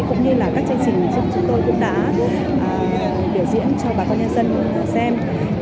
cũng như là các chương trình chúng tôi cũng đã thể diễn cho bà con nhân dân xem